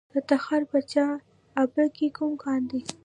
د تخار په چاه اب کې کوم کان دی؟